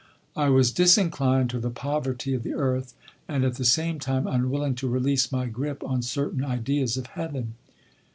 I was disinclined to the poverty of the earth and at the same time unwilling to release my grip on certain ideas of Heaven.